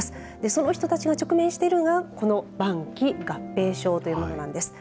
その人たちが直面しているのが、この晩期合併症というものなんです。